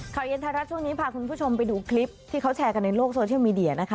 เย็นไทยรัฐช่วงนี้พาคุณผู้ชมไปดูคลิปที่เขาแชร์กันในโลกโซเชียลมีเดียนะคะ